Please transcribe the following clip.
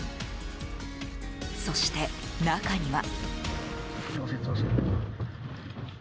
そして、中には。